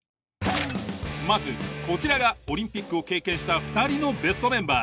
まずこちらがオリンピックを経験した２人のベストメンバー。